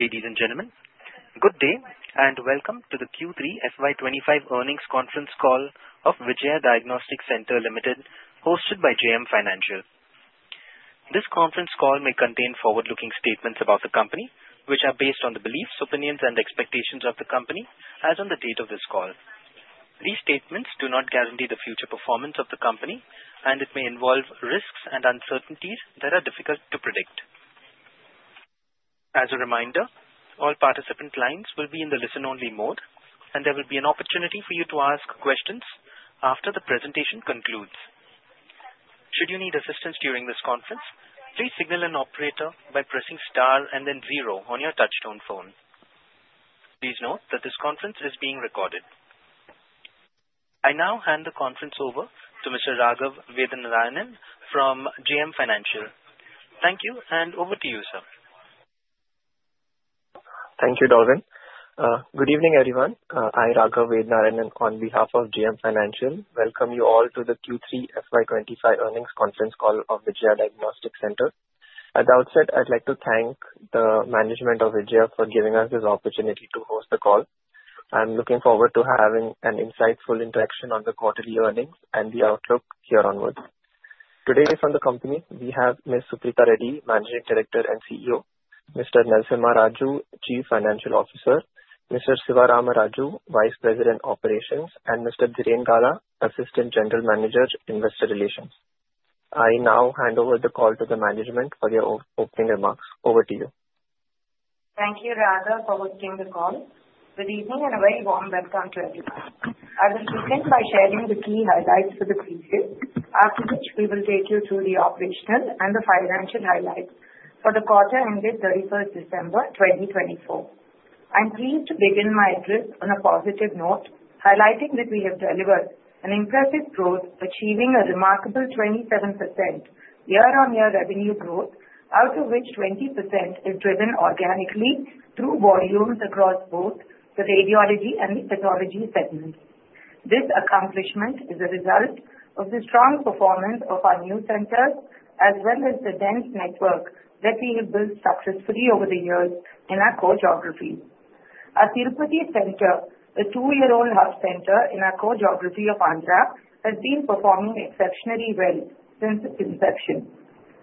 Ladies and gentlemen, good day and welcome to the Q3 FY 2025 Earnings Conference Call of Vijaya Diagnostic Centre Limited, hosted by JM Financial. This conference call may contain forward-looking statements about the company, which are based on the beliefs, opinions, and expectations of the company as on the date of this call. These statements do not guarantee the future performance of the company, and it may involve risks and uncertainties that are difficult to predict. As a reminder, all participant lines will be in the listen-only mode, and there will be an opportunity for you to ask questions after the presentation concludes. Should you need assistance during this conference, please signal an operator by pressing star and then zero on your touch-tone phone. Please note that this conference is being recorded. I now hand the conference over to Mr. Raghav Vedanarayanan from JM Financial. Thank you, and over to you, sir. Thank you, Darwin. Good evening, everyone. I'm Raghav Vedanarayanan on behalf of JM Financial. Welcome you all to the Q3 FY 2025 Earnings Conference Call of Vijaya Diagnostic Centre. At the outset, I'd like to thank the management of Vijaya for giving us this opportunity to host the call. I'm looking forward to having an insightful interaction on the quarterly earnings and the outlook here onwards. Today, from the company, we have Ms. Suprita Reddy, Managing Director and CEO, Mr. Narasimha Raju, Chief Financial Officer, Mr. Sivaramaraju, Vice President, Operations, and Mr. Dhiren Gala, Assistant General Manager, Investor Relations. I now hand over the call to the management for their opening remarks. Over to you Thank you, Raghav, for hosting the call. Good evening and a very warm welcome to everyone. I will begin by sharing the key highlights for the previous, after which we will take you through the operational and the financial highlights for the quarter ended 31st December 2024. I'm pleased to begin my address on a positive note, highlighting that we have delivered an impressive growth, achieving a remarkable 27% year-on-year revenue growth, out of which 20% is driven organically through volumes across both the Radiology and the Pathology segments. This accomplishment is a result of the strong performance of our new centers, as well as the dense network that we have built successfully over the years in our core geography. Our Tirupati Centre, a two-year-old health center in our core geography of Andhra, has been performing exceptionally well since its inception.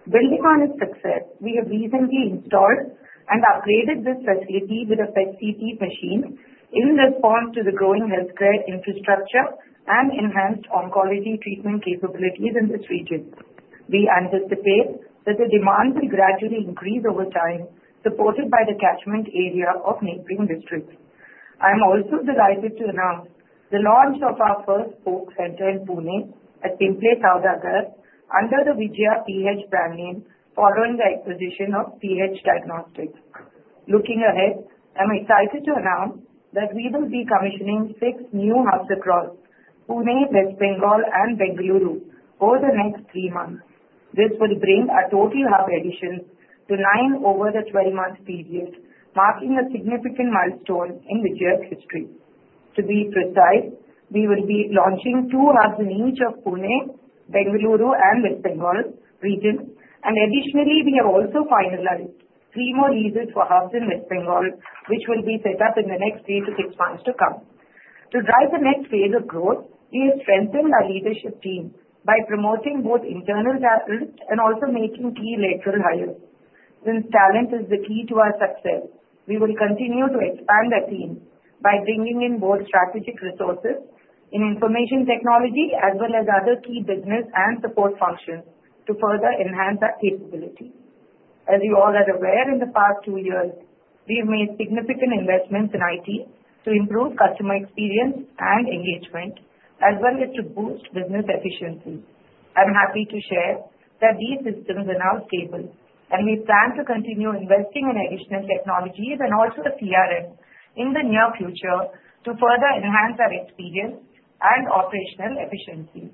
Building on its success, we have recently installed and upgraded this facility with a PET/CT machine in response to the growing healthcare infrastructure and enhanced oncology treatment capabilities in this region. We anticipate that the demand will gradually increase over time, supported by the catchment area of neighboring districts. I'm also delighted to announce the launch of our first spoke center in Pune at Pimple Saudagar under the Vijaya PH brand name, following the acquisition of PH Diagnostics. Looking ahead, I'm excited to announce that we will be commissioning six new hubs across Pune, West Bengal, and Bengaluru over the next three months. This will bring a total hub addition to nine over the 12-month period, marking a significant milestone in Vijaya's history. To be precise, we will be launching two hubs in each of Pune, Bengaluru, and West Bengal regions, and additionally, we have also finalized three more leases for hubs in West Bengal, which will be set up in the next three to six months to come. To drive the next phase of growth, we have strengthened our leadership team by promoting both internal talent and also making key lateral hires. Since talent is the key to our success, we will continue to expand that team by bringing in more strategic resources in information technology, as well as other key business and support functions to further enhance our capability. As you all are aware, in the past two years, we've made significant investments in IT to improve customer experience and engagement, as well as to boost business efficiency. I'm happy to share that these systems are now stable, and we plan to continue investing in additional technologies and also CRM in the near future to further enhance our experience and operational efficiency.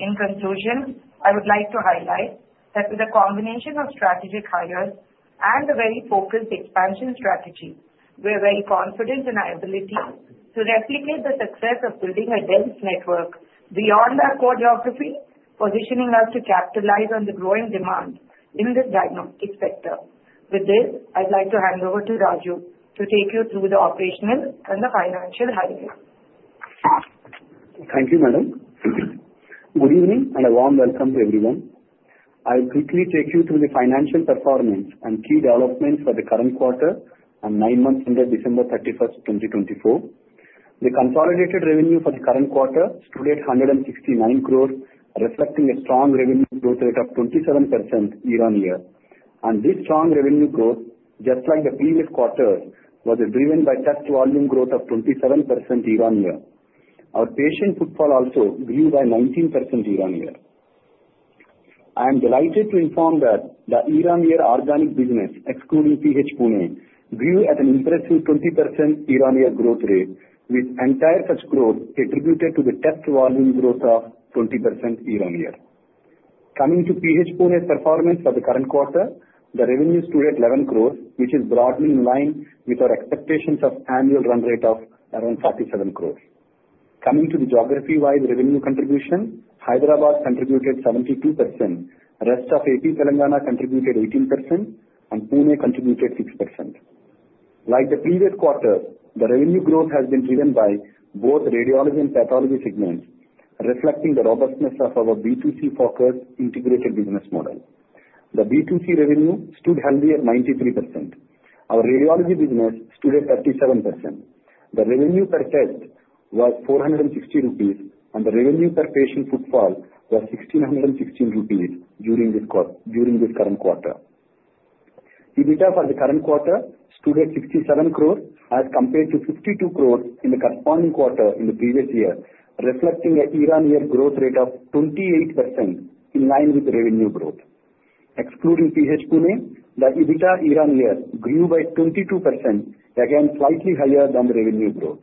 In conclusion, I would like to highlight that with a combination of strategic hires and a very focused expansion strategy, we're very confident in our ability to replicate the success of building a dense network beyond our core geography, positioning us to capitalize on the growing demand in the diagnostic sector. With this, I'd like to hand over to Raju to take you through the operational and the financial highlights. Thank you, madam. Good evening and a warm welcome to everyone. I'll quickly take you through the financial performance and key developments for the current quarter and nine months into December 31st, 2024. The consolidated revenue for the current quarter stood at 169 crore, reflecting a strong revenue growth rate of 27% year-on-year. And this strong revenue growth, just like the previous quarters, was driven by test volume growth of 27% year-on-year. Our patient footfall also grew by 19% year-on-year. I am delighted to inform that the year-on-year organic business, excluding PH Pune, grew at an impressive 20% year-on-year growth rate, with entire such growth attributed to the test volume growth of 20% year-on-year. Coming to PH Pune's performance for the current quarter, the revenue stood at 11 crore, which is broadly in line with our expectations of annual run rate of around 47 crore. Coming to the geography-wide revenue contribution, Hyderabad contributed 72%, the rest of AP Telangana contributed 18%, and Pune contributed 6%. Like the previous quarter, the revenue growth has been driven by both Radiology and Pathology segments, reflecting the robustness of our B2C focused integrated business model. The B2C revenue stood at 93%. Our Radiology business stood at 37%. The revenue per test was 460 rupees, and the revenue per patient footfall was 1,616 rupees during this current quarter. EBITDA for the current quarter stood at 67 crore, as compared to 52 crore in the corresponding quarter in the previous year, reflecting a year-on-year growth rate of 28% in line with the revenue growth. Excluding PH Pune, the EBITDA year-on-year grew by 22%, again slightly higher than the revenue growth.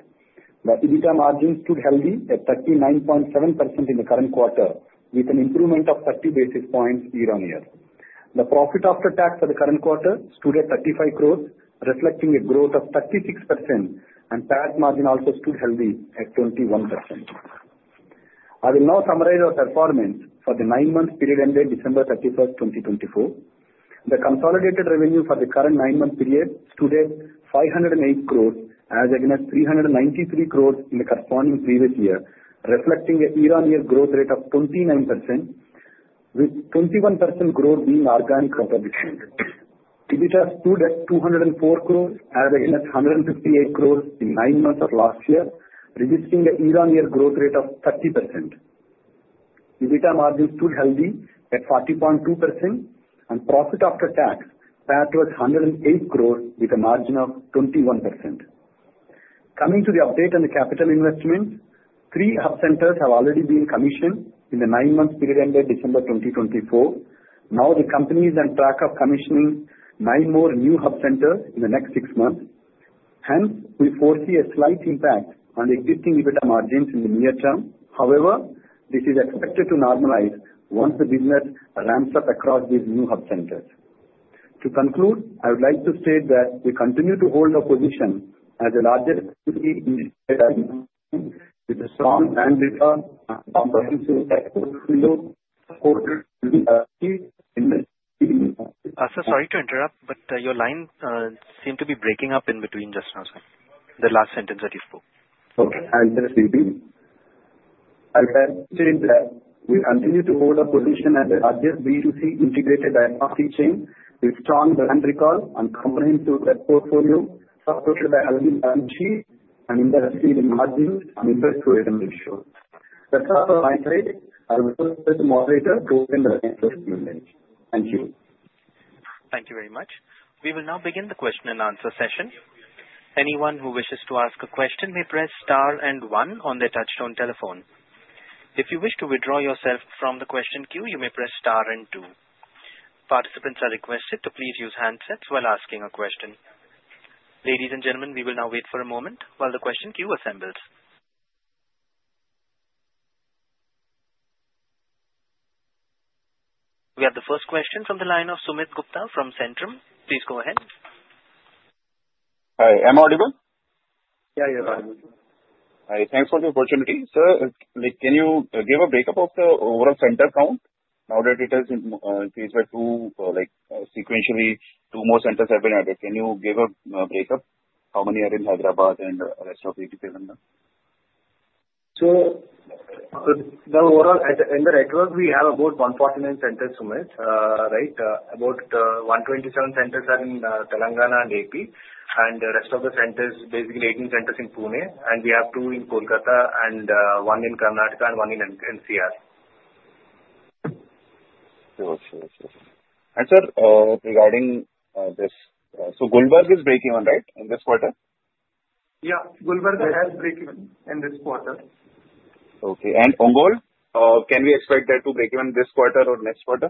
The EBITDA margin stood at 39.7% in the current quarter, with an improvement of 30 basis points year-on-year. The profit after tax for the current quarter stood at 35 crore, reflecting a growth of 36%, and PAT margin also stood healthy at 21%. I will now summarize our performance for the nine-month period ended December 31st, 2024. The consolidated revenue for the current nine-month period stood at 508 crore, as against 393 crore in the corresponding previous year, reflecting a year-on-year growth rate of 29%, with 21% growth being organic component. EBITDA stood at INR 204 crore, as against 158 crore in nine months of last year, registering a year-on-year growth rate of 30%. EBITDA margin stood healthy at 40.2%, and profit after tax PAT was 108 crore, with a margin of 21%. Coming to the update on the capital investment, three hub centers have already been commissioned in the nine-month period ended December 2024. Now, the company is on track of commissioning nine more new hub centers in the next six months. Hence, we foresee a slight impact on the existing EBITDA margins in the near term. However, this is expected to normalize once the business ramps up across these new hub centers. To conclude, I would like to state that we continue to hold our position as a leader with a strong brand and a comprehensive exposure. Sorry to interrupt, but your line seemed to be breaking up in between just now, sir. The last sentence that you spoke. Okay, I'll just repeat. I'll say that we continue to hold our position as the largest B2C integrated diagnostic chain with strong brand recall and comprehensive portfolio supported by healthy balance sheet and industry-leading margins and revenue growth. That's all from my side. I will now, ask the moderator, to open the next question and answer. Thank you. Thank you very much. We will now begin the question and answer session. Anyone who wishes to ask a question may press star and one on the touch-tone telephone. If you wish to withdraw yourself from the question queue, you may press star and two. Participants are requested to please use handsets while asking a question. Ladies and gentlemen, we will now wait for a moment while the question queue assembles. We have the first question from the line of Sumit Gupta from Centrum. Please go ahead. Hi, am I audible? Yeah, you're audible. Hi, thanks for the opportunity. Sir, can you give a break-up of the overall center count now that it has increased by two, like sequentially two more centers have been added? Can you give a break-up how many are in Hyderabad and the rest of AP Telangana? So, the overall in the network, we have about 149 centers, Sumit, right? About 127 centers are in Telangana and AP, and the rest of the centers, basically 18 centers in Pune, and we have two in Kolkata and one in Karnataka and one in NCR. Sure, sure, sure. And sir, regarding this, so Gulbarga is breaking even, right, in this quarter? Yeah, Gulbarga has break even in this quarter. Okay. And Ongole, can we expect that to break even this quarter or next quarter?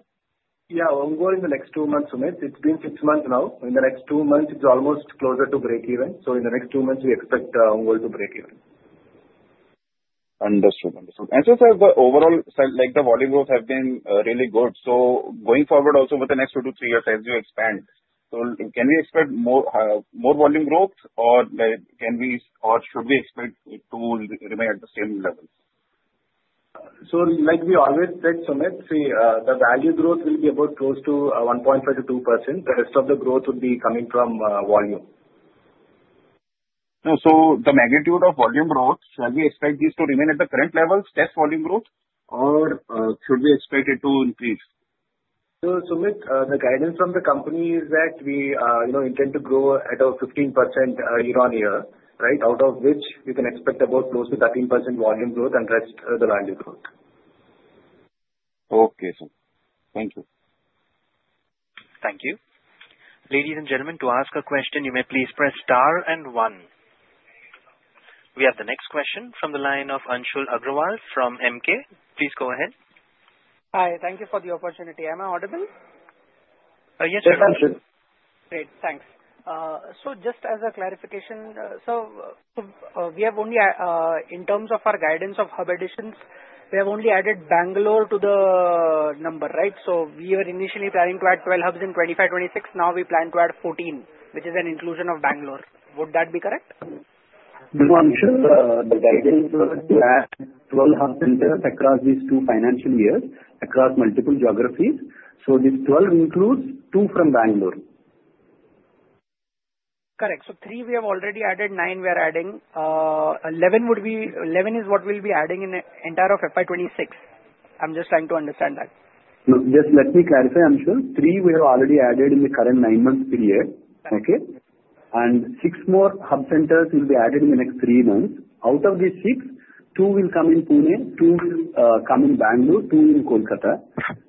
Yeah, Ongole in the next two months, Sumit. It's been six months now. In the next two months, it's almost closer to break even. So in the next two months, we expect Ongole to break even. Understood, understood. And since the overall, like, the volume growth has been really good, so going forward also for the next two to three years as you expand, so can we expect more volume growth, or should we expect to remain at the same level? So, like we always said, Sumit, the value growth will be about close to 1.5%-2%. The rest of the growth would be coming from volume. So the magnitude of volume growth, shall we expect this to remain at the current levels, test volume growth, or should we expect it to increase? Sumit, the guidance from the company is that we intend to grow at a 15% year-on-year, right? Out of which we can expect about close to 13% volume growth and rest of the value growth. Okay, sir. Thank you. Thank you. Ladies and gentlemen, to ask a question, you may please press star and one. We have the next question from the line of Anshul Agrawal from Emkay. Please go ahead. Hi, thank you for the opportunity. Am I audible? Yes, sir. Great, thanks. So just as a clarification, so we have only, in terms of our guidance of hub additions, we have only added Bangalore to the number, right? So we were initially planning to add 12 hubs in 25, 26. Now we plan to add 14, which is an inclusion of Bangalore. Would that be correct? No, Anshul Agrawal, the guidance was to add 12 hub centers across these two financial years, across multiple geographies. So these 12 includes two from Bangalore. Correct. So three, we have already added. Nine, we are adding. 11 would be 11 is what we'll be adding in the entire of FY 2026. I'm just trying to understand that. No, just let me clarify, Anshul. Three, we have already added in the current nine-month period, okay? And six more hub centers will be added in the next three months. Out of these six, two will come in Pune, two will come in Bangalore, two in Kolkata.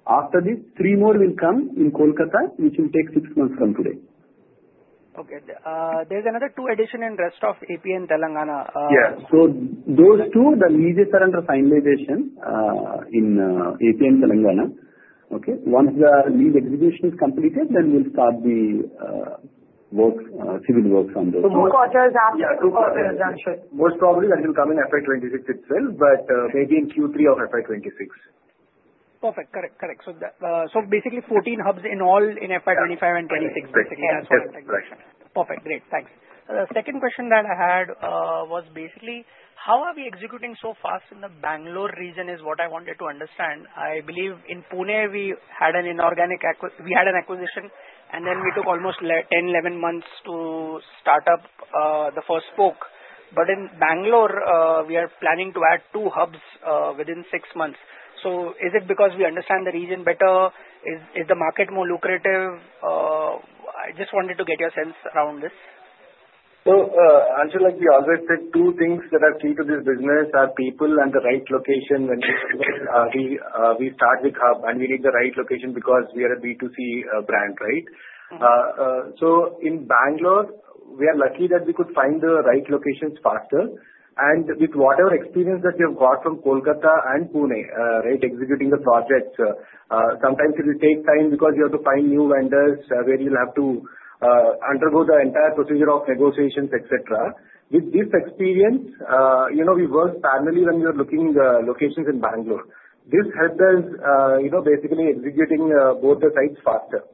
After this, three more will come in Kolkata, which will take six months from today. Okay. There's another two addition in rest of AP and Telangana. Yeah. So those two, the lease is under finalization in AP and Telangana. Okay. Once the lease execution is completed, then we'll start the work, civil works on those. So two quarters after, Anshul. Most probably that will come in FY 2026 itself, but maybe in Q3 of FY 2026. Perfect. Correct, correct. So basically 14 hubs in all in FY 2025 and 2026. Correct, correct. Perfect. Great. Thanks. The second question that I had was basically, how are we executing so fast in the Bangalore region is what I wanted to understand. I believe in Pune, we had an inorganic acquisition, and then we took almost 10-11 months to start up the first spoke. But in Bangalore, we are planning to add two hubs within six months. So is it because we understand the region better? Is the market more lucrative? I just wanted to get your sense around this. So, Anshul, like we always said, two things that are key to this business are people and the right location. We start with hub, and we need the right location because we are a B2C brand, right? So in Bangalore, we are lucky that we could find the right locations faster. And with whatever experience that we have got from Kolkata and Pune, right, executing the projects, sometimes it will take time because you have to find new vendors where you'll have to undergo the entire procedure of negotiations, etc. With this experience, we worked thoroughly when we were looking locations in Bangalore. This helped us basically executing both the sites faster.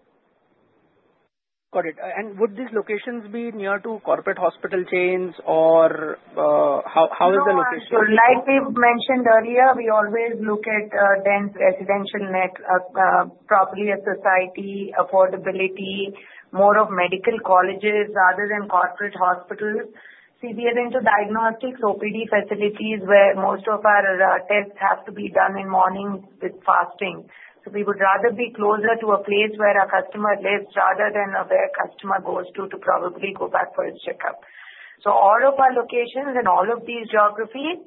Got it. And would these locations be near to corporate hospital chains, or how is the location? So like we've mentioned earlier, we always look at dense residential, proximity to society, affordability, more of medical colleges rather than corporate hospitals. See, we are into diagnostics, OPD facilities where most of our tests have to be done in mornings with fasting. So we would rather be closer to a place where our customer lives rather than where a customer goes to to probably go back for his checkup. So all of our locations and all of these geographies,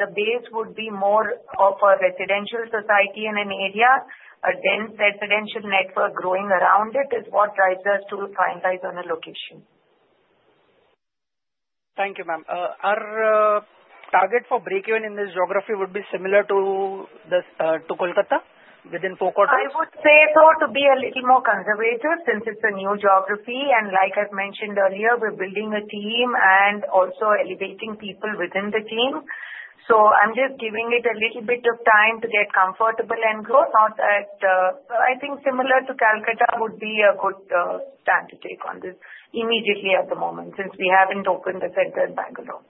the base would be more of a residential society in an area, a dense residential network growing around it is what drives us to finalize on a location. Thank you, ma'am. Our target for break even in this geography would be similar to Kolkata within four quarters? I would say so to be a little more conservative since it's a new geography. And like I've mentioned earlier, we're building a team and also elevating people within the team. So I'm just giving it a little bit of time to get comfortable and grow, not at I think similar to Kolkata would be a good time to take on this immediately at the moment since we haven't opened the center in Bangalore.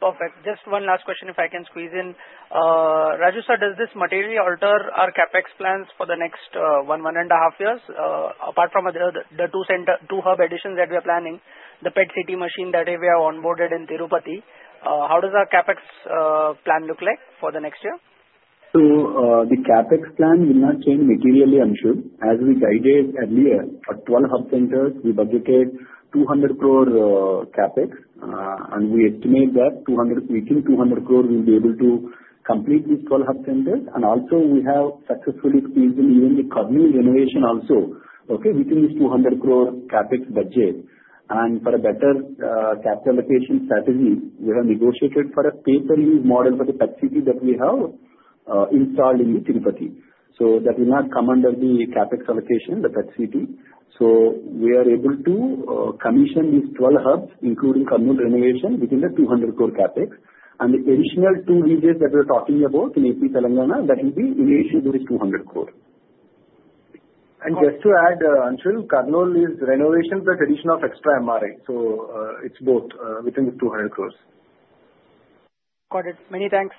Perfect. Just one last question if I can squeeze in. Raju, does this materially alter our CapEx plans for the next one to one and a half years? Apart from the two hub additions that we are planning, the PET/CT machine that we have onboarded in Tirupati, how does our CapEx plan look like for the next year? So the CapEx plan will not change materially, Anshul. As we guided earlier, for 12 hub centers, we budgeted 200 crore CapEx, and we estimate that within 200 crore, we'll be able to complete these 12 hub centers. And also, we have successfully squeezed in even the center renovation also, okay, within this 200 crore CapEx budget. And for a better capital allocation strategy, we have negotiated for a pay-per-use model for the PET/CT that we have installed in Tirupati. So that will not come under the CapEx allocation, the PET/CT. So we are able to commission these 12 hubs, including center renovation within the 200 crore CapEx. And the additional two leases hat we're talking about in AP Telangana, that will be initially with 200 crore. And just to add, Anshul, Kurnool is renovation plus addition of extra MRI. So it's both within the 200 crores. Got it. Many thanks.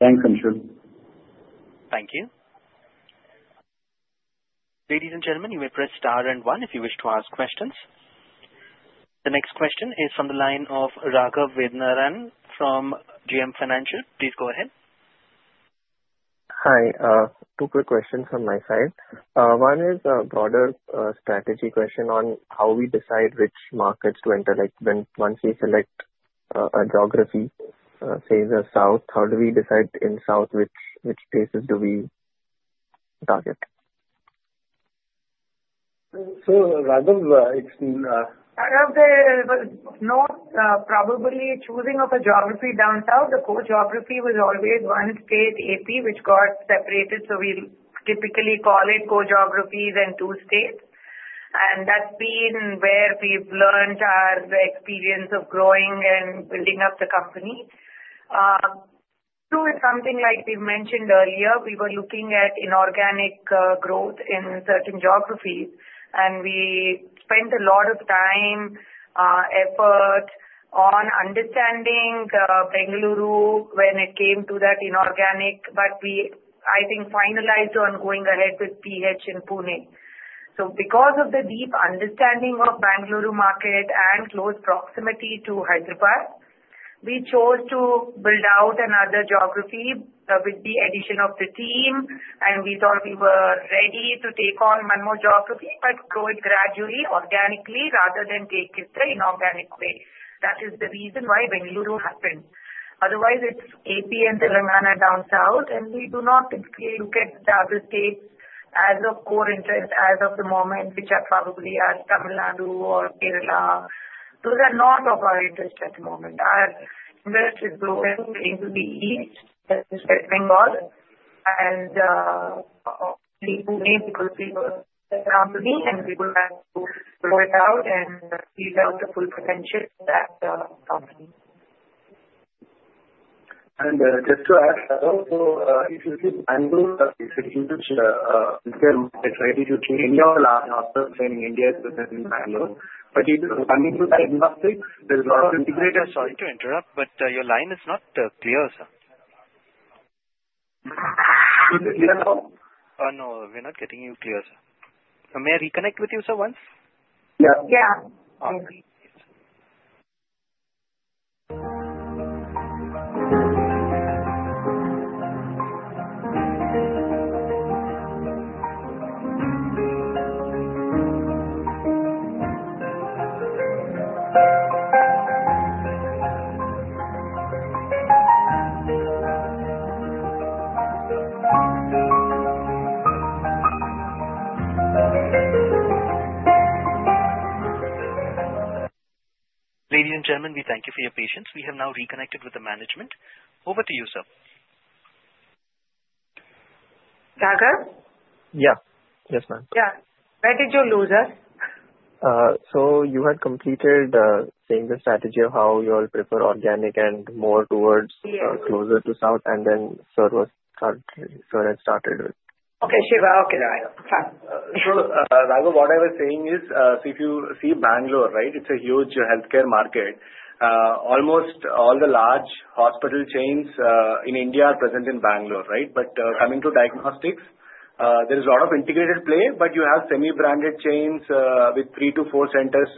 Thanks, Anshul. Thank you. Ladies and gentlemen, you may press star and one if you wish to ask questions. The next question is from the line of Raghav Vedanarayanan from JM Financial. Please go ahead. Hi. Two quick questions from my side. One is a broader strategy question on how we decide which markets to enter. Once we select a geography, say the south, how do we decide in south which places do we target? Raghav, it's been. Unlike the north, probably choosing of a geography down south, the core geography was always one state, AP, which got separated, so we typically call it core geographies and two states, and that's been where we've learned our experience of growing and building up the company, so it's something like we've mentioned earlier, we were looking at inorganic growth in certain geographies, and we spent a lot of time, effort on understanding Bengaluru when it came to that inorganic, but I think finalized on going ahead with PH in Pune, so because of the deep understanding of Bengaluru market and close proximity to Hyderabad, we chose to build out another geography with the addition of the team, and we thought we were ready to take on one more geography, but grow it gradually, organically, rather than take it the inorganic way. That is the reason why Bengaluru happened. Otherwise, it's AP and Telangana down south, and we do not typically look at the other states as of core interests as of the moment, which are probably Tamil Nadu or Kerala. Those are not of our interest at the moment. Our interest is growing into the east, Bengal, and Pune because we have a company, and we would like to grow it out and build out the full potential of that company. And just to add, so if you see Bangalore, it's a huge interest to change any of the large hubs in India within Bangalore. But if you're coming to diagnostics, there's a lot of integrated. Sorry to interrupt, but your line is not clear, sir. Is it clear now? No, we're not getting you clear, sir. May I reconnect with you, sir, once? Yeah. Yeah. Ladies and gentlemen, we thank you for your patience. We have now reconnected with the management. Over to you, sir. Raghav? Yeah. Yes, ma'am. Yeah. Where did you lose us? So, you had completed saying the strategy of how you all prefer organic and more towards closer to south, and then service started with. Okay. Siva. Okay. Right. Anshul, Raghav, what I was saying is, so if you see Bangalore, right, it's a huge healthcare market. Almost all the large hospital chains in India are present in Bangalore, right? But coming to diagnostics, there's a lot of integrated play, but you have semi-branded chains with three to four centers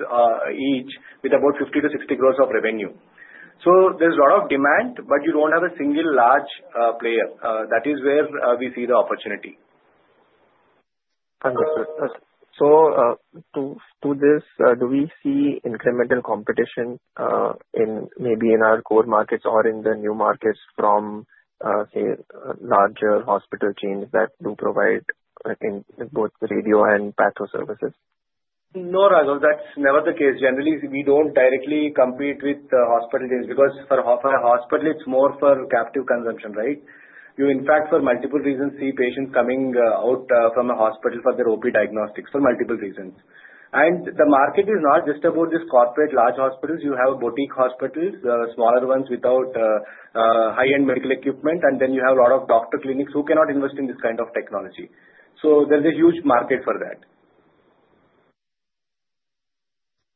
each with about 50 crores-60 crores of revenue. So there's a lot of demand, but you don't have a single large player. That is where we see the opportunity. Understood, so to this, do we see incremental competition maybe in our core markets or in the new markets from, say, larger hospital chains that do provide both Radiology and Pathology services? No, Raghav. That's never the case. Generally, we don't directly compete with hospital chains because for a hospital, it's more for captive consumption, right? You, in fact, for multiple reasons, see patients coming out from a hospital for their OP diagnostics for multiple reasons. And the market is not just about these corporate large hospitals. You have boutique hospitals, smaller ones without high-end medical equipment, and then you have a lot of doctor clinics who cannot invest in this kind of technology. So there's a huge market for that.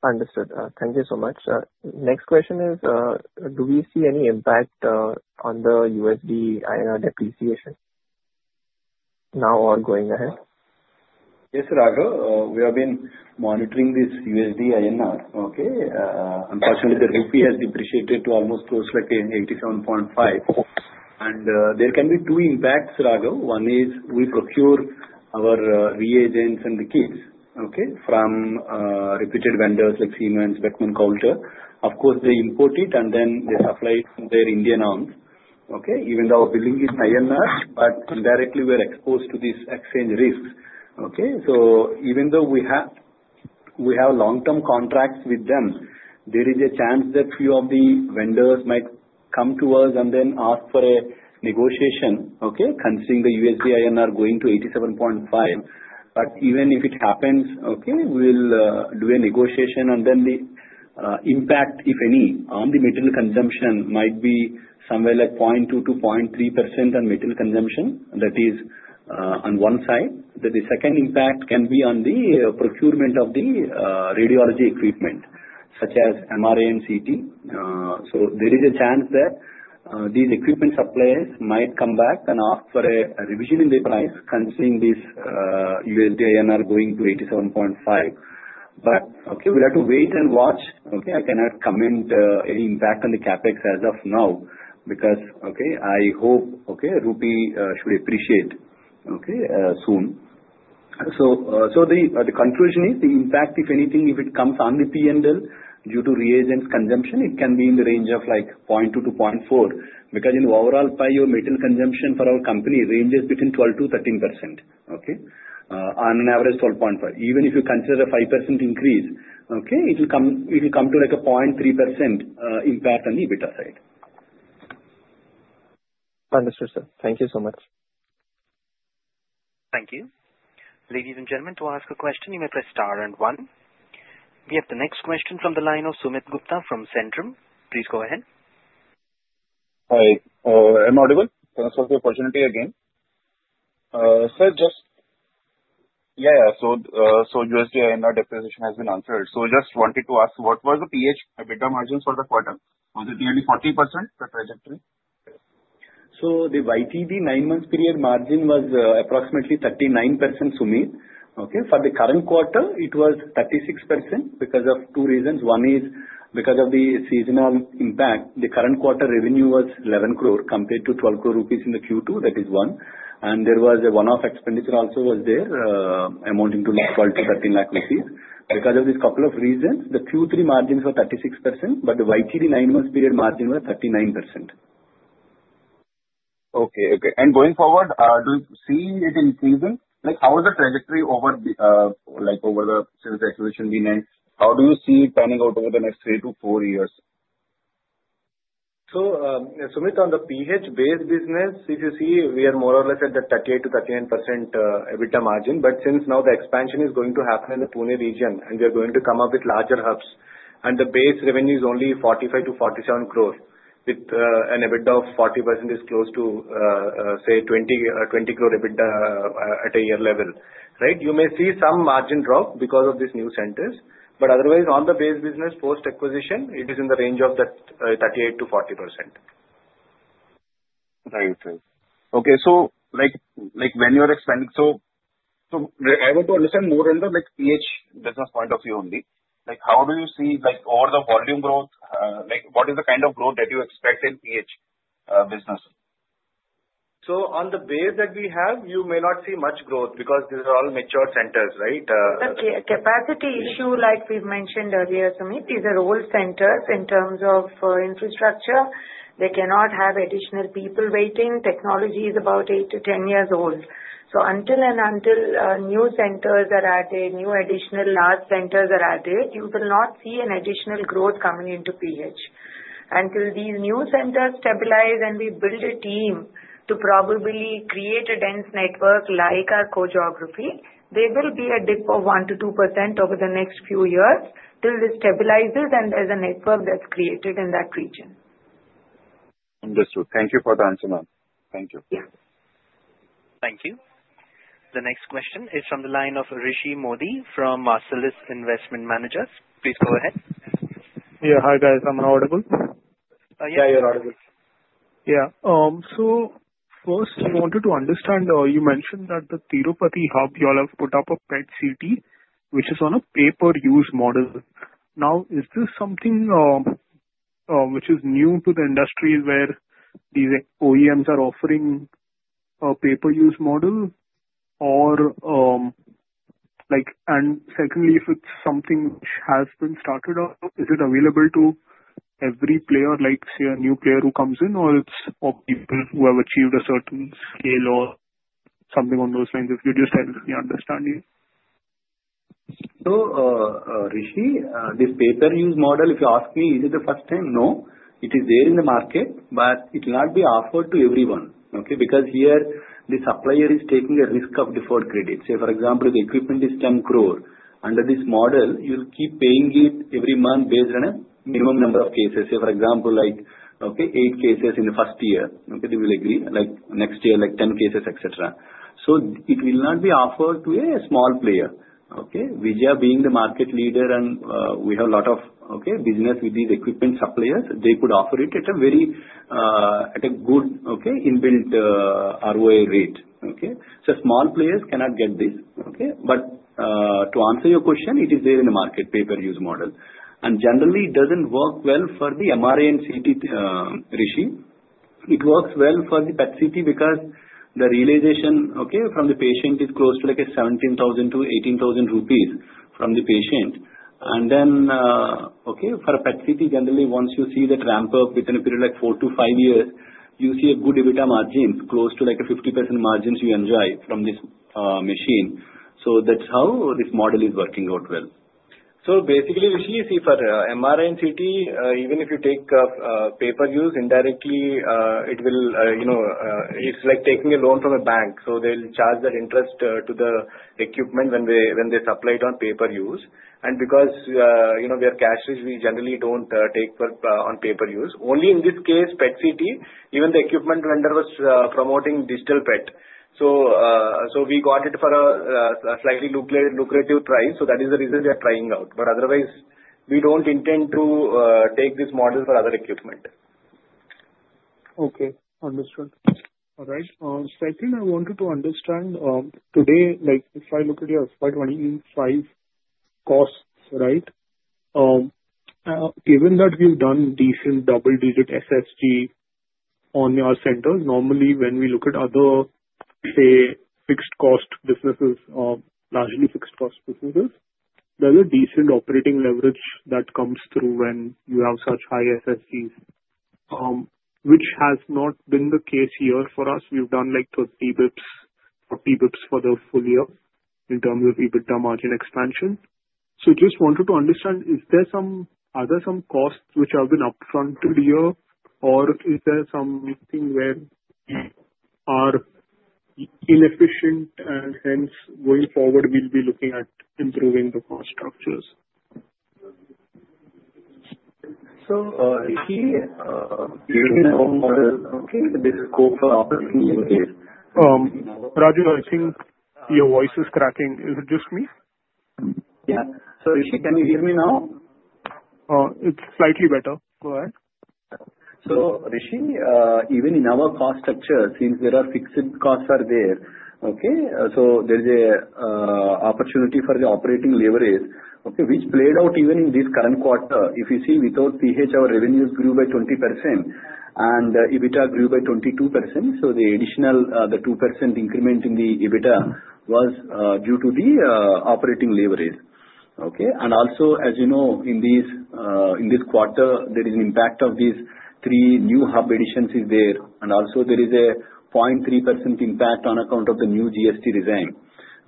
Understood. Thank you so much. Next question is, do we see any impact on the USD/INR depreciation now or going ahead? Yes, Raghav. We have been monitoring this USD/INR, okay? Unfortunately, the Rupee has depreciated to almost close like 87.5, and there can be two impacts, Raghav. One is we procure our reagents and the kits, okay, from reputed vendors like Siemens, Beckman Coulter. Of course, they import it, and then they supply it to their Indian arms, okay? Even though our billing is INR, but indirectly, we're exposed to these exchange risks, okay? So even though we have long-term contracts with them, there is a chance that few of the vendors might come to us and then ask for a negotiation, okay, considering the USD/INR going to 87.5. But even if it happens, okay, we'll do a negotiation, and then the impact, if any, on the material consumption might be somewhere like 0.2%-0.3% on material consumption. That is on one side. The second impact can be on the procurement of the radiology equipment, such as MRI and CT. So there is a chance that these equipment suppliers might come back and ask for a revision in the price considering this USD/INR going to 87.5. But we'll have to wait and watch. Okay? I cannot comment any impact on the CapEx as of now because, okay, I hope, okay, Rupee should appreciate, okay, soon. So the conclusion is the impact, if anything, if it comes on the P&L due to reagents consumption, it can be in the range of like 0.2%-0.4% because in overall pie, your reagent consumption for our company ranges between 12%-13%, okay, on an average 12.5%. Even if you consider a 5% increase, okay, it will come to like a 0.3% impact on the EBITDA side. Understood, sir. Thank you so much. Thank you. Ladies and gentlemen, to ask a question, you may press star and one. We have the next question from the line of Sumit Gupta from Centrum. Please go ahead. Hi, I'm audible. Thanks for the opportunity again. Sir, just yeah, yeah. So USD/INR depreciation has been answered. So just wanted to ask, what was the PH EBITDA margins for the quarter? Was it nearly 40% per trajectory? So the YTD nine-month period margin was approximately 39%, Sumit. Okay? For the current quarter, it was 36% because of two reasons. One is because of the seasonal impact. The current quarter revenue was 11 crore compared to 12 crore rupees in the Q2. That is one. And there was a one-off expenditure also was there, amounting to 12 lakh-13 lakh rupees. Because of these couple of reasons, the Q3 margins were 36%, but the YTD nine-month period margin was 39%. Okay. Going forward, do you see it increasing? How has the trajectory since the acquisition been? How do you see it panning out over the next three to four years? Sumit, on the PH-based business, if you see, we are more or less at the 38%-39% EBITDA margin. But since now the expansion is going to happen in the Pune region, and we are going to come up with larger hubs. And the base revenue is only 45 crore-47 crore, with an EBITDA of 40% is close to, say, 20 crore EBITDA at a year level, right? You may see some margin drop because of these new centers. But otherwise, on the base business post-acquisition, it is in the range of that 38%-40%. Thank you. Okay. So when you're expanding, so I want to understand more under PH business point of view only. How do you see over the volume growth? What is the kind of growth that you expect in PH business? So on the base that we have, you may not see much growth because these are all mature centers, right? Capacity issue, like we've mentioned earlier, Sumit, these are old centers in terms of infrastructure. They cannot have additional people waiting. Technology is about eight to 10 years old. So until new centers are added, new additional large centers are added, you will not see an additional growth coming into PH. Until these new centers stabilize and we build a team to probably create a dense network like our core geography, there will be a dip of 1%-2% over the next few years till this stabilizes and there's a network that's created in that region. Understood. Thank you for the answer, ma'am. Thank you. Thank you. The next question is from the line of Rishi Mody from Marcellus Investment Managers. Please go ahead. Yeah. Hi, guys. Am I audible? Yeah, you're audible. Yeah. So first, we wanted to understand, you mentioned that the Tirupati hub, you all have put up a PET/CT, which is on a pay-per-use model. Now, is this something which is new to the industry where these OEMs are offering a pay-per-use model? And secondly, if it's something which has been started up, is it available to every player, like say a new player who comes in, or it's for people who have achieved a certain scale or something on those lines? If you just tell us, we understand you. So Rishi, this pay-per-use model, if you ask me, is it the first time? No. It is there in the market, but it will not be offered to everyone, okay? Because here, the supplier is taking a risk of default credits. Say for example, the equipment is 10 crore. Under this model, you'll keep paying it every month based on a minimum number of cases. Say for example, okay, eight cases in the first year. Okay? They will agree. Next year, like 10 cases, etc. So it will not be offered to a small player. Okay? Vijaya being the market leader, and we have a lot of business with these equipment suppliers. They could offer it at a very good, okay, inbuilt ROI rate. Okay? So small players cannot get this. Okay? But to answer your question, it is there in the market, pay-per-use model. Generally, it doesn't work well for the MRI and CT, Rishi. It works well for the PET/CT because the realization, okay, from the patient is close to like 17,000-18,000 rupees from the patient. And then, okay, for a PET/CT, generally, once you see that ramp up within a period like four to five years, you see a good EBITDA margin, close to like a 50% margin you enjoy from this machine. So that's how this model is working out well. So basically, Rishi, see, for MRI and CT, even if you take pay-per-use, indirectly, it will, it's like taking a loan from a bank. So they'll charge that interest to the equipment when they supply it on pay-per-use. And because we are cashless, we generally don't take on pay-per-use. Only in this case, PET/CT, even the equipment vendor was promoting digital PET. So we got it for a slightly lucrative price. So that is the reason we are trying out. But otherwise, we don't intend to take this model for other equipment. Okay. Understood. All right. Second, I wanted to understand, today, if I look at your FY 2025 costs, right? Given that we've done decent double-digit SSG on our centers, normally, when we look at other, say, fixed-cost businesses, largely fixed-cost businesses, there's a decent operating leverage that comes through when you have such high SSGs, which has not been the case here for us. We've done like 30 basis points, 40 basis points for the full year in terms of EBITDA margin expansion. So just wanted to understand, are there some costs which have been upfront to the year, or is there something where we are inefficient and hence, going forward, we'll be looking at improving the cost structures? So Rishi, this is the scope of the team. Raju, I think your voice is cracking. Is it just me? Yeah. So Rishi, can you hear me now? It's slightly better. Go ahead. So Rishi, even in our cost structure, since there are fixed costs that are there, okay, so there's an opportunity for the operating leverage, okay, which played out even in this current quarter. If you see, without PH, our revenues grew by 20%, and EBITDA grew by 22%. So the additional 2% increment in the EBITDA was due to the operating leverage. Okay? And also, as you know, in this quarter, there is an impact of these three new hub additions there. And also, there is a 0.3% impact on account of the new GST design.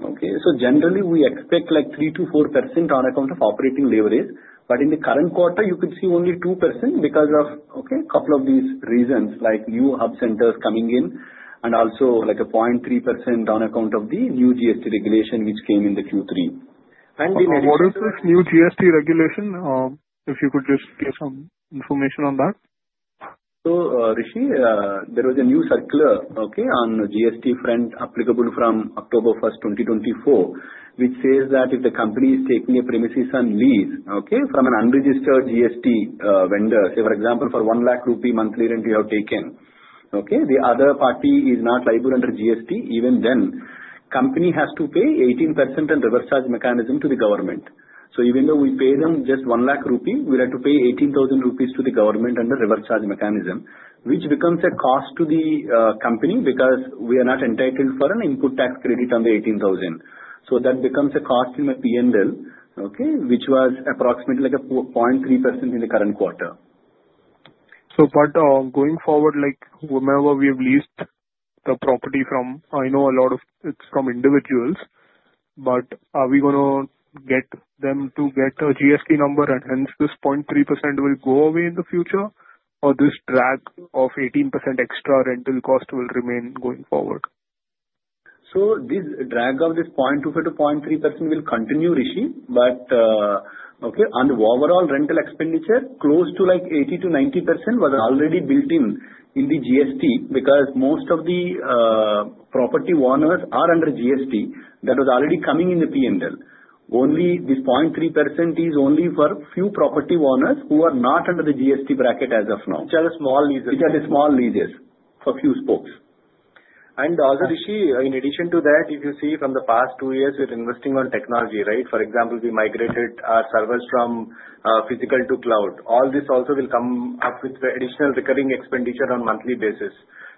Okay? So generally, we expect like 3%-4% on account of operating leverage. But in the current quarter, you could see only 2% because of, okay, a couple of these reasons, like new hub centers coming in, and also like a 0.3% on account of the new GST regulation, which came in the Q3. And in addition. What is this new GST regulation? If you could just give some information on that. Rishi, there was a new circular, okay, on GST front applicable from October 1st, 2024, which says that if the company is taking a premises on lease, okay, from an unregistered GST vendor, say for example, for 1 lakh rupee monthly rent you have taken, okay, the other party is not liable under GST, even then, company has to pay 18% on reverse charge mechanism to the government. So even though we pay them just 1 lakh rupee, we have to pay 18,000 rupees to the government under reverse charge mechanism, which becomes a cost to the company because we are not entitled for an input tax credit on the 18,000. So that becomes a cost in my P&L, okay, which was approximately like a 0.3% in the current quarter. So but going forward, like whenever we have leased the property from, I know a lot of it's from individuals, but are we going to get them to get a GST number, and hence this 0.3% will go away in the future, or this drag of 18% extra rental cost will remain going forward? So this drag of this 0.2%-0.3% will continue, Rishi. But okay, on the overall rental expenditure, close to like 80%-90% was already built in the GST because most of the property owners are under GST that was already coming in the P&L. Only this 0.3% is only for a few property owners who are not under the GST bracket as of now. Which are the small leases Which are the small leases for a few spokes. And also, Rishi, in addition to that, if you see from the past two years, we're investing on technology, right? For example, we migrated our servers from physical to cloud. All this also will come up with additional recurring expenditure on a monthly basis.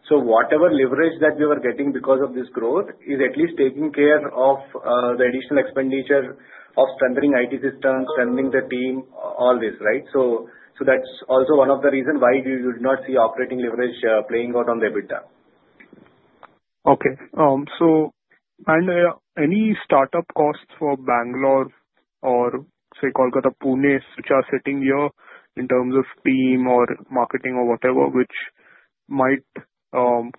So whatever leverage that we were getting because of this growth is at least taking care of the additional expenditure of strengthening IT systems, strengthening the team, all this, right? So that's also one of the reasons why we would not see operating leverage playing out on the EBITDA. Any startup costs for Bangalore or, say, Kolkata, Pune, which are sitting here in terms of team or marketing or whatever, which might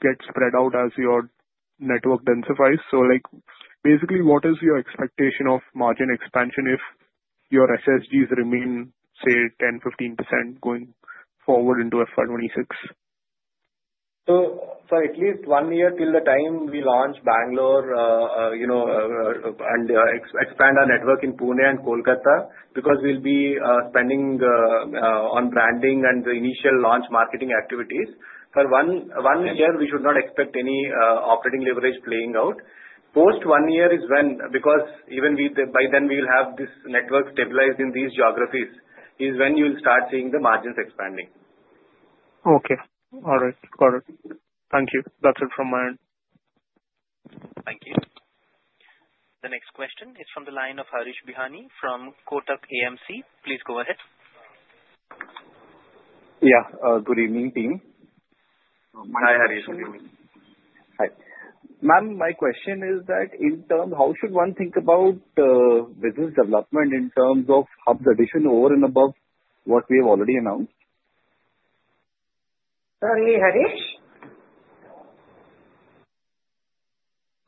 get spread out as your network densifies? So basically, what is your expectation of margin expansion if your SSGs remain, say, 10%-15% going forward into FY 2026? For at least one year till the time we launch Bangalore and expand our network in Pune and Kolkata because we'll be spending on branding and the initial launch marketing activities. For one year, we should not expect any operating leverage playing out. Post one year is when because even by then, we will have this network stabilized in these geographies is when you will start seeing the margins expanding. Okay. All right. Got it. Thank you. That's it from my end. Thank you. The next question is from the line of Harish Bihani from Kotak AMC. Please go ahead. Yeah. Good evening, team. Hi, Harish. Good evening. Hi. Ma'am, my question is that in terms how should one think about business development in terms of hubs addition over and above what we have already announced? Sorry, Harish.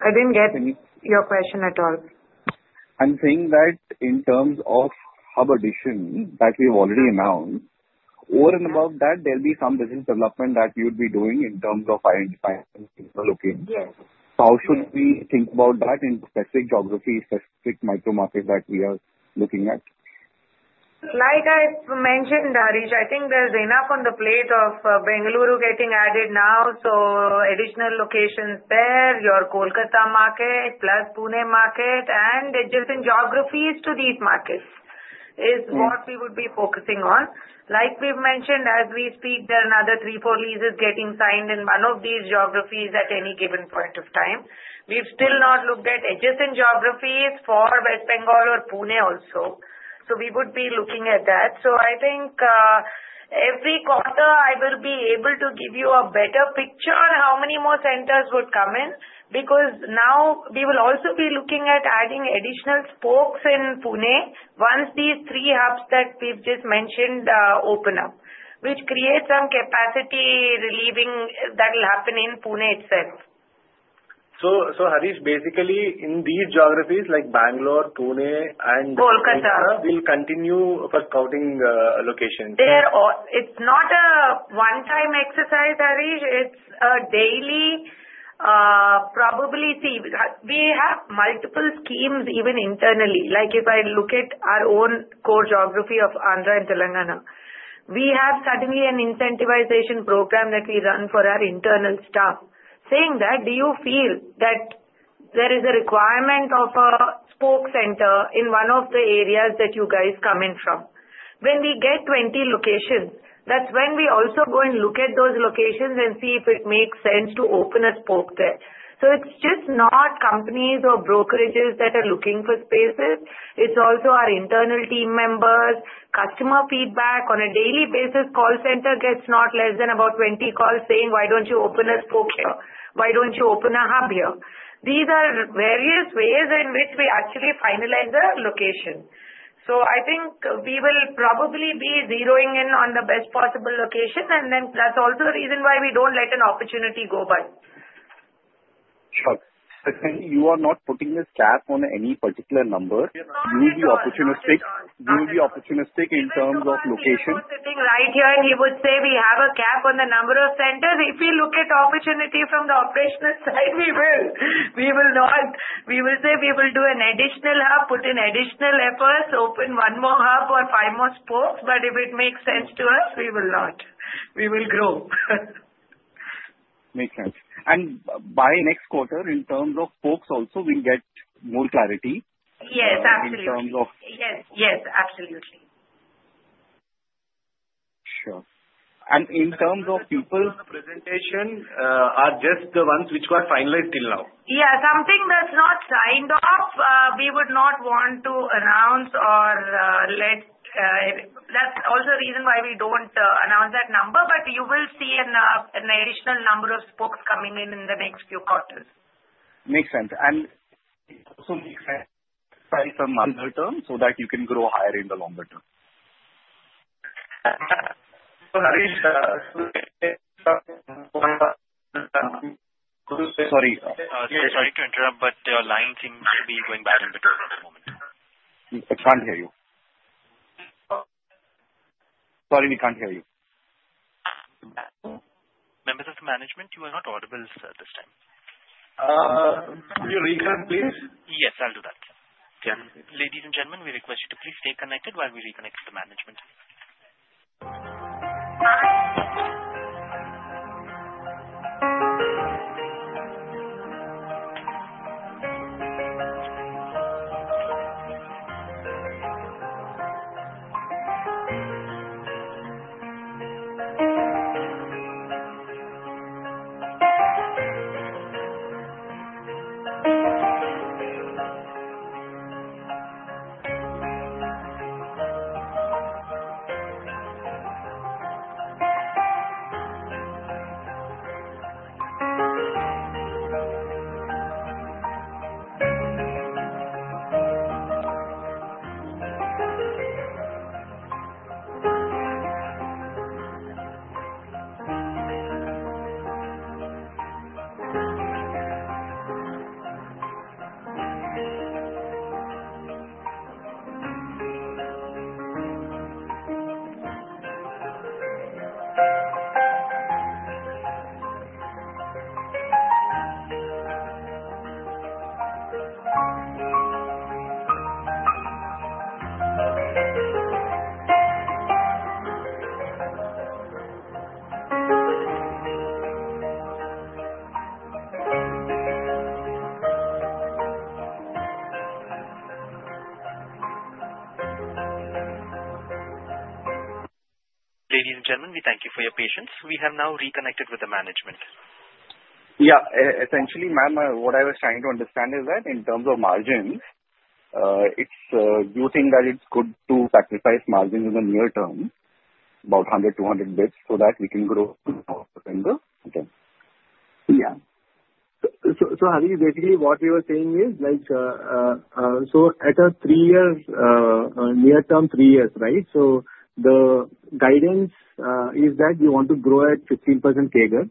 I didn't get your question at all. I'm saying that in terms of hub addition that we've already announced, over and above that, there'll be some business development that you'd be doing in terms of identifying and looking. Yes. How should we think about that in specific geographies, specific micro markets that we are looking at? Like I've mentioned, Harish, I think there's enough on the plate of Bengaluru getting added now. So additional locations there, your Kolkata market, plus Pune market, and adjacent geographies to these markets is what we would be focusing on. Like we've mentioned, as we speak, there are another three, four leases getting signed in one of these geographies at any given point of time. We've still not looked at adjacent geographies for West Bengal or Pune also. So we would be looking at that. So I think every quarter, I will be able to give you a better picture on how many more centers would come in because now we will also be looking at adding additional spokes in Pune once these three hubs that we've just mentioned open up, which creates some capacity relieving that will happen in Pune itself. So Harish, basically, in these geographies like Bangalore, Pune, and Kolkata. Kolkata. We'll continue for scouting locations. It's not a one-time exercise, Harish. It's a daily, probably see. We have multiple schemes even internally. Like if I look at our own core geography of Andhra and Telangana, we have suddenly an incentivization program that we run for our internal staff. Saying that, do you feel that there is a requirement of a spoke center in one of the areas that you guys come in from? When we get 20 locations, that's when we also go and look at those locations and see if it makes sense to open a spoke there. So it's just not companies or brokerages that are looking for spaces. It's also our internal team members, customer feedback on a daily basis. Call center gets not less than about 20 calls saying, "Why don't you open a spoke here? Why don't you open a hub here?" These are various ways in which we actually finalize the location. So I think we will probably be zeroing in on the best possible location, and then that's also the reason why we don't let an opportunity go by. But you are not putting this cap on any particular number. You will be opportunistic. You will be opportunistic in terms of location. If he was sitting right here, he would say we have a cap on the number of centers. If we look at opportunity from the operational side, we will. We will not. We will say we will do an additional hub, put in additional efforts, open one more hub or five more spokes. But if it makes sense to us, we will not. We will grow. Makes sense. And by next quarter, in terms of spokes also, we'll get more clarity. Yes. Absolutely. In terms of. Yes. Yes. Absolutely. Sure. And in terms of people. These presentations are just the ones which were finalized till now. Yeah. Something that's not signed off, we would not want to announce or let that. That's also the reason why we don't announce that number. But you will see an additional number of spokes coming in in the next few quarters. Makes sense. Sorry. In the interim so that you can grow higher in the longer term. Sorry. Sorry to interrupt, but the line seems to be going bad on your end at the moment. We can't hear you. Sorry, we can't hear you. Members of the management, you are not audible at this time. Can you reconnect, please? Yes, I'll do that. Yes. Ladies and gentlemen, we request you to please stay connected while we reconnect to the management. Ladies and gentlemen, we thank you for your patience. We have now reconnected with the management. Yeah. Essentially, ma'am, what I was trying to understand is that in terms of margins, it's a good thing that it's good to sacrifice margins in the near term, about 100-200 basis points so that we can grow the volume. Okay. Yeah. So Harish, basically what we were saying is like so at a three-year near-term, three years, right? So the guidance is that you want to grow at 15% CAGR.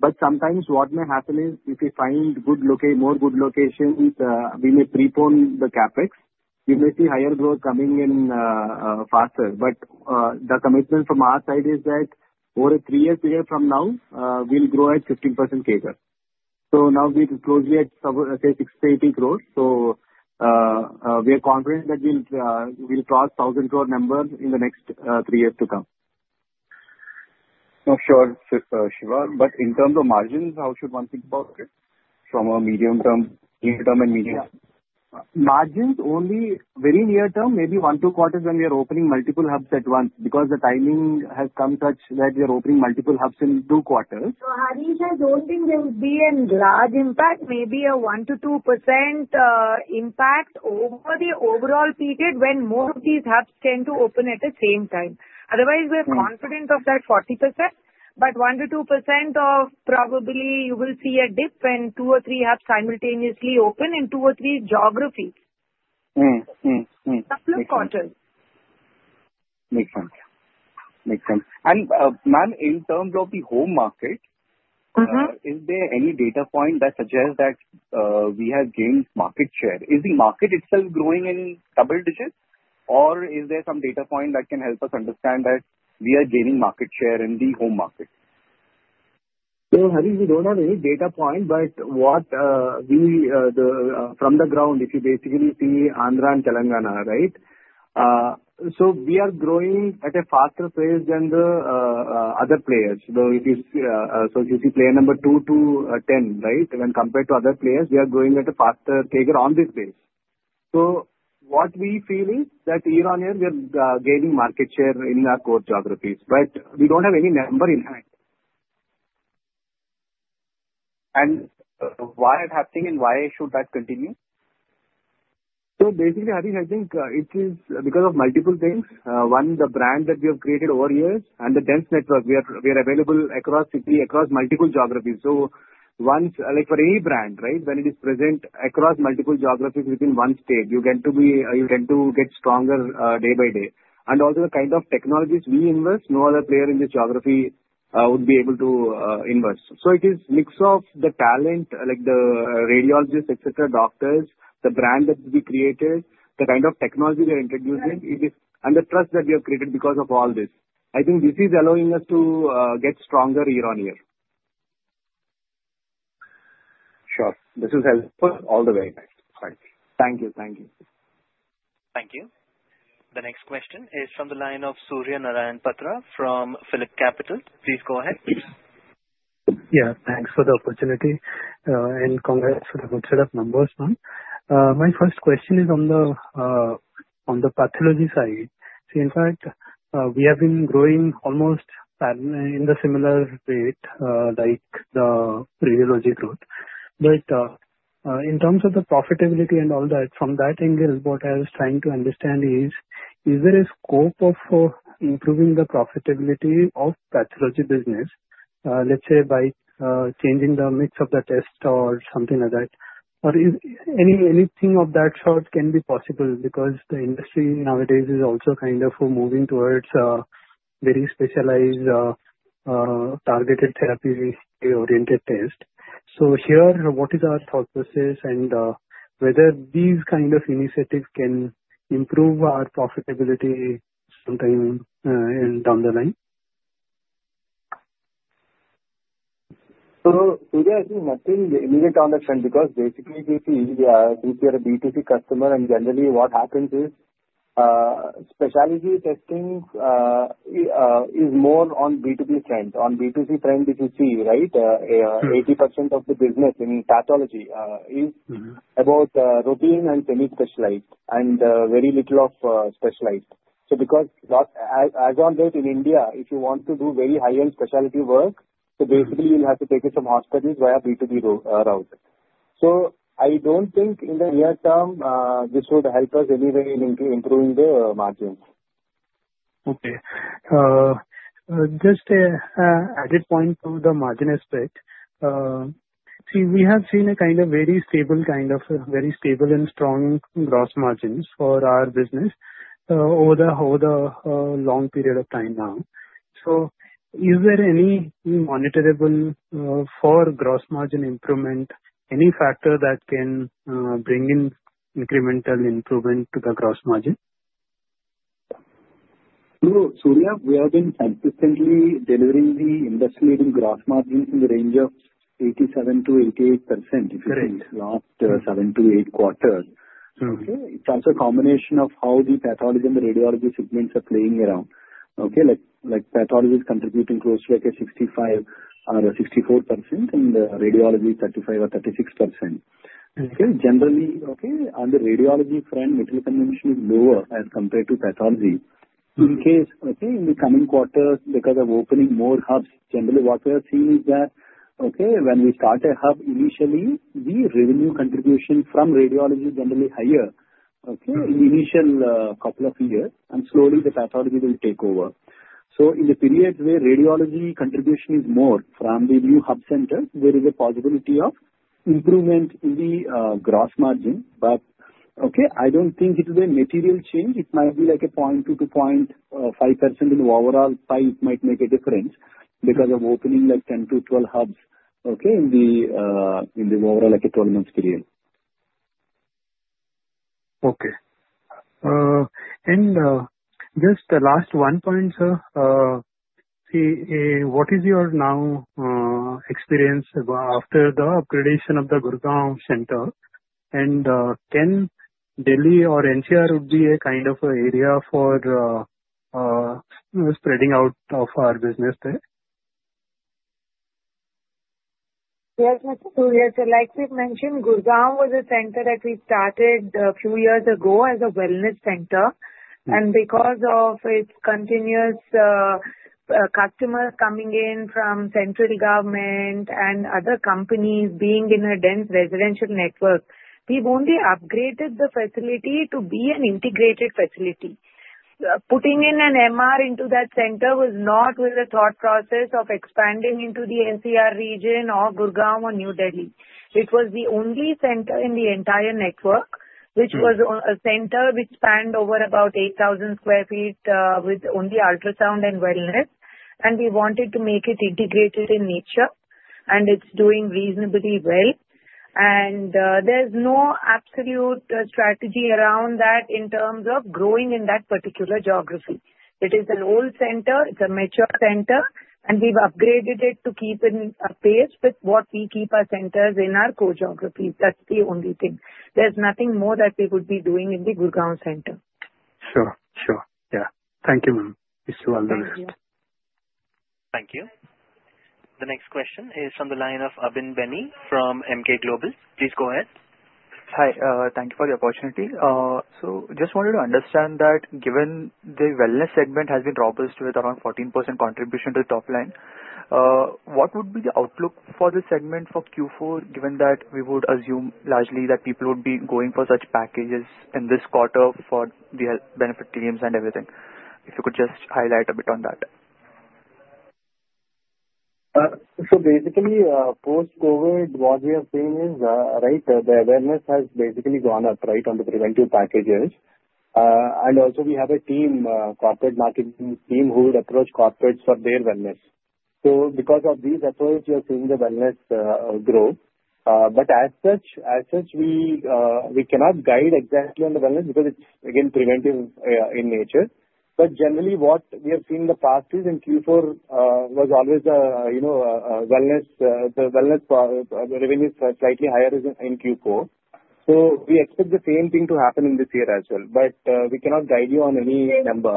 But sometimes what may happen is if we find more good locations, we may prepone the CapEx. You may see higher growth coming in faster. But the commitment from our side is that over a three-year period from now, we'll grow at 15% CAGR. So now we're closely at, say, 60 crores-80 crores. So we are confident that we'll cross 1,000 crore number in the next three years to come. Not sure, Siva. But in terms of margins, how should one think about it from a medium-term, near-term, and medium? Yeah. Margins only very near-term, maybe one to two quarters, when we are opening multiple hubs at once, because the timing has come such that we are opening multiple hubs in two quarters. So Harish, I don't think there will be a large impact, maybe a 1%-2% impact over the overall period when more of these hubs tend to open at the same time. Otherwise, we're confident of that 40%. But 1%-2% of probably you will see a dip when two or three hubs simultaneously open in two or three geographies. Couple of quarters. Makes sense. Makes sense. And ma'am, in terms of the home market, is there any data point that suggests that we have gained market share? Is the market itself growing in double digits, or is there some data point that can help us understand that we are gaining market share in the home market? So Harish, we don't have any data point, but what we from the ground, if you basically see Andhra and Telangana, right? So we are growing at a faster pace than the other players. So if you see player number two to 10, right, when compared to other players, we are growing at a faster CAGR on this base. So what we feel is that year on year, we are gaining market share in our core geographies. But we don't have any number in hand. Why is that happening and why should that continue? So basically, Harish, I think it is because of multiple things. One, the brand that we have created over years and the dense network. We are available across city across multiple geographies. So once like for any brand, right, when it is present across multiple geographies within one state, you tend to get stronger day by day. And also the kind of technologies we invest, no other player in this geography would be able to invest. So it is mix of the talent, like the radiologists, etc., doctors, the brand that we created, the kind of technology we are introducing, and the trust that we have created because of all this. I think this is allowing us to get stronger year on year. Sure. This is helpful all the way. Thanks. Thank you. Thank you. Thank you. The next question is from the line of Surya Narayan Patra from PhillipCapital. Please go ahead. Yeah. Thanks for the opportunity and congrats for the good set of numbers, ma'am. My first question is on the Pathology side. See, in fact, we have been growing almost in the similar rate like the radiology growth. But in terms of the profitability and all that, from that angle, what I was trying to understand is, is there a scope of improving the profitability of Pathology business, let's say by changing the mix of the test or something like that? Or anything of that sort can be possible because the industry nowadays is also kind of moving towards very specialized targeted therapy-oriented tests. So here, what is our thought process and whether these kind of initiatives can improve our profitability sometime down the line? So, Surya has nothing immediate on the trend because basically since we are a B2C customer, and generally what happens is specialty testing is more on B2B trend. On B2C trend, if you see, right, 80% of the business in Pathology is about routine and semi-specialized and very little of specialized. So because as of date in India, if you want to do very high-end specialty work, so basically you'll have to take it from hospitals via B2B route. So I don't think in the near term this would help us anyway in improving the margins. Okay. Just an added point to the margin aspect. See, we have seen a kind of very stable and strong gross margins for our business over the long period of time now. So is there any monitorable for gross margin improvement, any factor that can bring in incremental improvement to the gross margin? Surya, we have been consistently delivering the industry-leading gross margins in the range of 87%-88% if you see last seven to eight quarters. Okay. It is also a combination of how the Pathology and the Radiology segments are playing around. Okay. Like Pathology is contributing close to like a 65% or 64% and Radiology 35% or 36%. Okay. Generally, okay, on the Radiology front, margin contribution is lower as compared to Pathology. In case okay, in the coming quarters, because of opening more hubs, generally what we have seen is that, okay, when we start a hub initially, the revenue contribution from Radiology is generally higher, okay, in the initial couple of years, and slowly the Pathology will take over. So in the period where Radiology contribution is more from the new hub center, there is a possibility of improvement in the gross margin. But okay, I don't think it is a material change. It might be like a 0.2%-0.5% in the overall pipe might make a difference because of opening like 10-12 hubs, okay, in the overall like a 12-month period. Okay. And just the last one point, sir. See, what is your now experience after the upgradation of the Gurgaon Centre? And can Delhi or NCR would be a kind of area for spreading out of our business there? Yes, Surya. So like we've mentioned, Gurgaon was a center that we started a few years ago as a wellness center. And because of its continuous customers coming in from central government and other companies being in a dense residential network, we only upgraded the facility to be an integrated facility. Putting in an MR into that center was not with the thought process of expanding into the NCR region or Gurgaon or New Delhi. It was the only center in the entire network which was a center which spanned over about 8,000 sq ft with only ultrasound and wellness. And we wanted to make it integrated in nature, and it's doing reasonably well. And there's no absolute strategy around that in terms of growing in that particular geography. It is an old center. It's a mature center, and we've upgraded it to keep in pace with what we keep our centers in our core geographies. That's the only thing. There's nothing more that we would be doing in the Gurgaon center. Sure. Sure. Yeah. Thank you, ma'am. It's well done. Thank you. The next question is from the line of Abin Benny from Emkay Global. Please go ahead. Hi. Thank you for the opportunity. So just wanted to understand that given the Wellness segment has been robust with around 14% contribution to the top line, what would be the outlook for the segment for Q4 given that we would assume largely that people would be going for such packages in this quarter for the benefit teams and everything? If you could just highlight a bit on that. So basically, post-COVID, what we are seeing is, right, the awareness has basically gone up, right, on the preventive packages. And also we have a team, corporate marketing team, who would approach corporates for their wellness. So because of these efforts, we are seeing the Wellness grow. But as such, we cannot guide exactly on the Wellness because it's, again, preventive in nature. But generally, what we have seen in the past is in Q4 was always the Wellness revenues slightly higher in Q4. So we expect the same thing to happen in this year as well. But we cannot guide you on any number.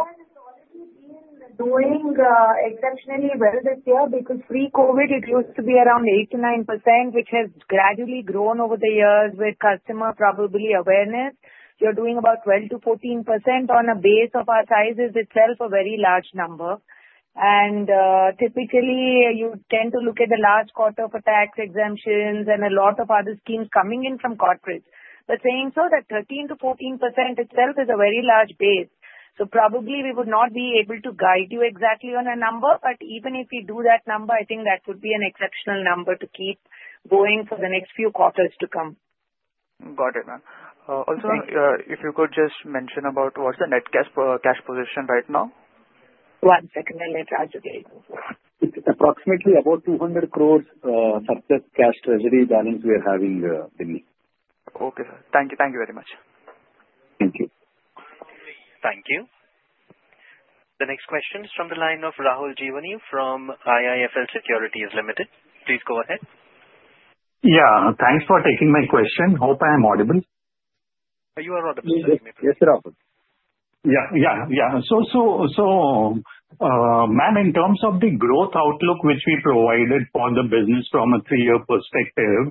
Gurgaon has already been doing exceptionally well this year because pre-COVID, it used to be around 8%-9%, which has gradually grown over the years with customer probably awareness. You're doing about 12%-14% on a base of our sizes itself, a very large number, and typically, you tend to look at the last quarter for tax exemptions and a lot of other schemes coming in from corporates. But saying so, that 13%-14% itself is a very large base, so probably we would not be able to guide you exactly on a number. But even if we do that number, I think that would be an exceptional number to keep going for the next few quarters to come. Got it, ma'am. Also, if you could just mention about what's the net cash position right now. One second. I'll let Raju get to you. It's approximately about 200 crores surplus cash treasury balance we are having, Benny. Okay. Thank you. Thank you very much. Thank you. The next question is from the line of Rahul Jeewani from IIFL Securities Limited. Please go ahead. Yeah. Thanks for taking my question. Hope I am audible. You are audible. Yes, sir. So ma'am, in terms of the growth outlook which we provided for the business from a three-year perspective,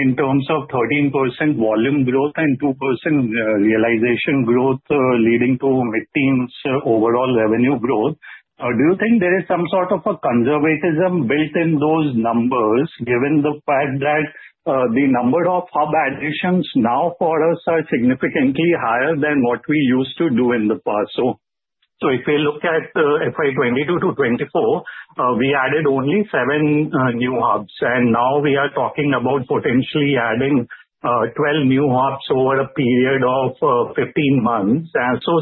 in terms of 13% volume growth and 2% realization growth leading to mid-teens overall revenue growth, do you think there is some sort of a conservatism built in those numbers given the fact that the number of hub additions now for us are significantly higher than what we used to do in the past? So if we look at FY 2022 to 2024, we added only seven new hubs. And now we are talking about potentially adding 12 new hubs over a period of 15 months.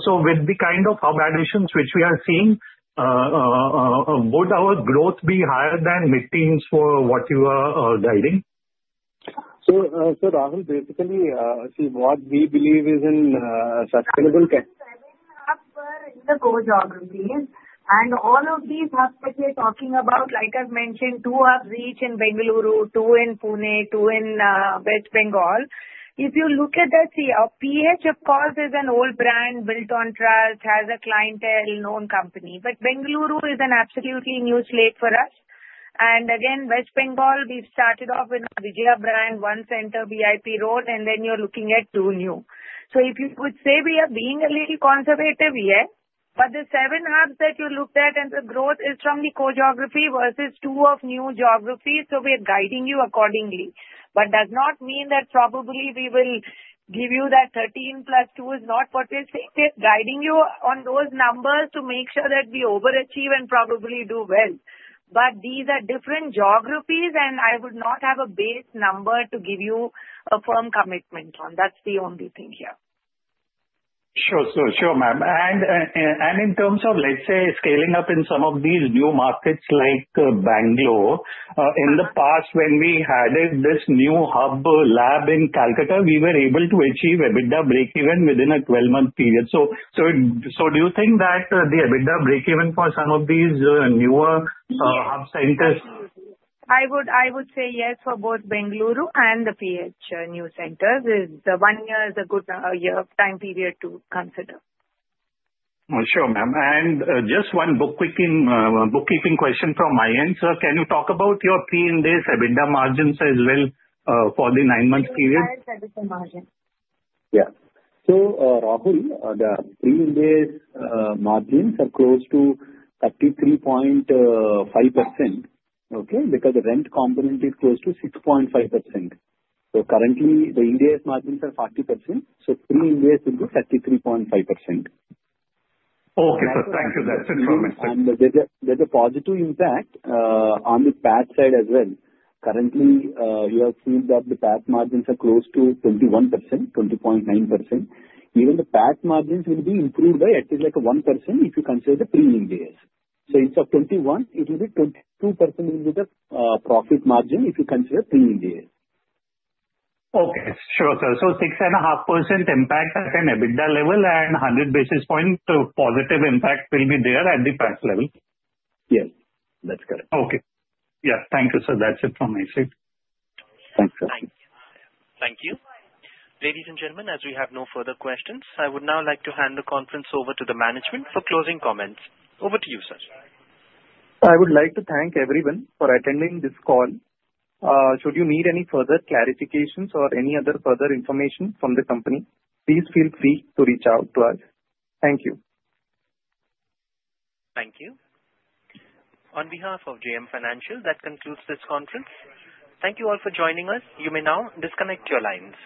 So with the kind of hub additions which we are seeing, would our growth be higher than mid-teens for what you are guiding? So Rahul, basically, see what we believe is sustainable. Seven hubs were in the core geographies, and all of these hubs that we are talking about, like I've mentioned, two have reach in Bengaluru, two in Pune, two in West Bengal. If you look at that, see, our PH, of course, is an old brand built on trust, has a clientele, known company, but Bengaluru is an absolutely new slate for us, and again, West Bengal, we started off with a Vijaya brand, one center, VIP Road, and then you're looking at two new, so if you would say we are being a little conservative, yes, but the seven hubs that you looked at and the growth is from the core geography versus two of new geographies, so we are guiding you accordingly, but does not mean that probably we will give you that 13 plus two is not what we're saying. We're guiding you on those numbers to make sure that we overachieve and probably do well. But these are different geographies, and I would not have a base number to give you a firm commitment on. That's the only thing here. Sure. Sure. Sure, ma'am. And in terms of, let's say, scaling up in some of these new markets like Bangalore, in the past, when we added this new hub lab in Kolkata, we were able to achieve EBITDA break-even within a 12-month period. So do you think that the EBITDA break-even for some of these newer hub centers? I would say yes for both Bengaluru and the PH new centres. The one year is a good time period to consider. Sure, ma'am. And just one bookkeeping question from my end. Can you talk about your pre-Ind AS EBITDA margins as well for the nine-month period? Yes. EBITDA margins. Yeah. So Rahul, the pre-Ind AS margins are close to 33.5%, okay, because the rent component is close to 6.5%. So currently, the Ind AS margins are 40%. So pre-Ind AS will be 33.5%. Okay. Thank you. That's informative. There's a positive impact on the PAT side as well. Currently, you have seen that the PAT margins are close to 21%, 20.9%. Even the PAT margins will be improved by at least like 1% if you consider the pre-Ind AS. So instead of 21, it will be 22% profit margin if you consider pre-Ind AS. Okay. Sure. So 6.5% impact at an EBITDA level and 100 basis point positive impact will be there at the PAT level. Yes. That's correct. Okay. Yeah. Thank you, sir. That's it from my side. Thanks, sir. Thank you. Ladies and gentlemen, as we have no further questions, I would now like to hand the conference over to the management for closing comments. Over to you, sir. I would like to thank everyone for attending this call. Should you need any further clarifications or any other further information from the company, please feel free to reach out to us. Thank you. Thank you. On behalf of JM Financial, that concludes this conference. Thank you all for joining us. You may now disconnect your lines.